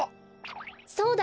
そうだ！